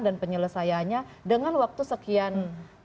dan penyelesaiannya dengan waktu sekian